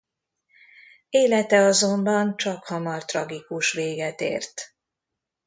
Élete azonban csakhamar tragikus véget ért.